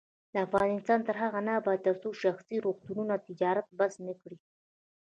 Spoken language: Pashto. افغانستان تر هغو نه ابادیږي، ترڅو شخصي روغتونونه تجارت بس نکړي.